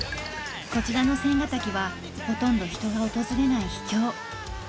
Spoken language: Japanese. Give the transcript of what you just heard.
こちらの千ヶ滝はほとんど人が訪れない秘境。